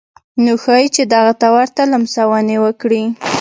نو ښايي چې دغه ته ورته لمسونې وکړي.